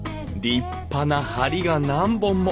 立派な梁が何本も。